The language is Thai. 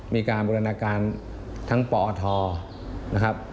มีการบูรณาการทั้งปอทนะครับ